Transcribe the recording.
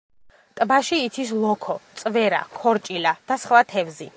ტბაში იცის ლოქო, წვერა, ქორჭილა და სხვა თევზი.